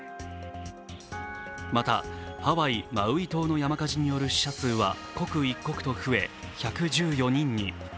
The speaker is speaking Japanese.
またハワイ・マウイ島の山火事による死者数は刻一刻と増え１１４人に。